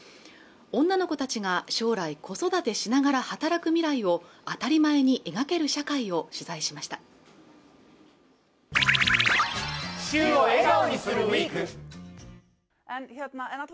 女の子たちが将来子育てしながら働く未来を当たり前に描ける社会を取材しました